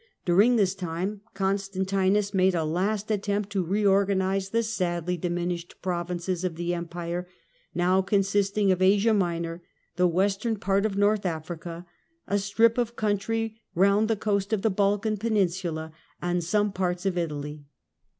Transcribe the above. During this time Constantinus made a last attempt to reorganise the sadly diminished provinces of the Empire, now consisting of Asia Minor, the western part of North Africa, a strip of country round the coast of the Balkan Peninsula and some parts of Italy.